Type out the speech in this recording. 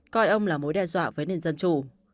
coi ông là mối đe dọa với nền dân chủ